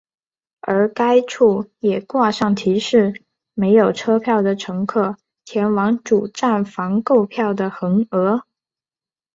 而该处也挂上提示没有车票的乘客前往主站房购票的横额。